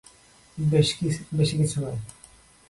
বেশি কিছু নয়।